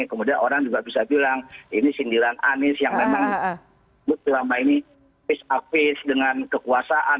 kemudian orang juga bisa bilang ini sindiran anies yang memang selama ini peace up piece dengan kekuasaan